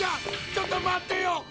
ちょっと待ってよ！